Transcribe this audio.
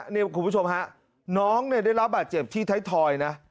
นี่คุณผู้ชมฮะน้องได้รับบาดเจ็บที่ไทยทอยนะ